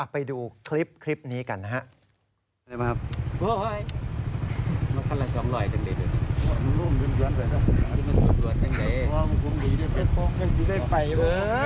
ไปดูคลิปนี้กันนะครับ